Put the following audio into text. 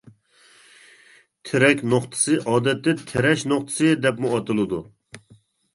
تىرەك نۇقتىسى-ئادەتتە تىرەش نۇقتىسى دەپمۇ ئاتىلىدۇ.